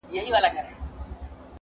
زه لرمه کاسې ډکي د همت او قناعته,